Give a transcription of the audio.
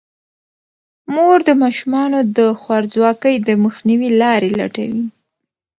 مور د ماشومانو د خوارځواکۍ د مخنیوي لارې لټوي.